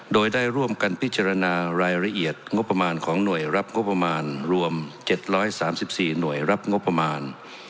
โดยได้ร่วมกันพิจารณารายละเอียดงบประมาณของหน่วยรับงบประมาณรวม๗๓๔หน่วยรับงบประมาณ